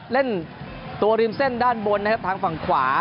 เล่นตัวริมเส้นด้านบนนะครับทางฝั่งขวา